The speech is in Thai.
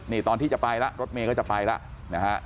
นี่ตอนที่จะไปแล้วรถเมย์ก็จะไปแล้วนะฮะ